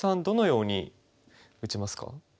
どのように打ちますか？